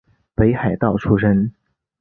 北海道出身。